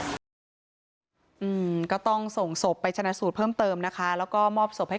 มีเกี่ยวกับหิวสายมั้ยหรืออะไรเหมือนก็